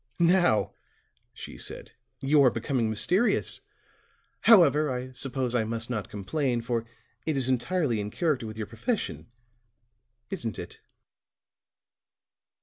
"Now," she said, "you are becoming mysterious. However, I suppose I must not complain, for it is entirely in character with your profession, isn't it?"